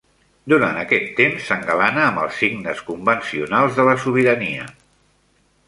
Durant aquest temps, s"engalana amb els signes convencionals de la sobirania.